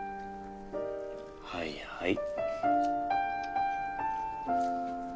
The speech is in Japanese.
はいはい。